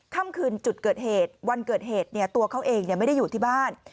ค่ำคืนจุดเกิดเหตุวันเกิดเหตุตัวเขาเองไม่ได้อยู่ที่บ้าน